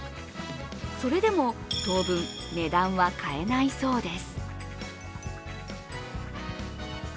それでも、当分値段は変えないそうです。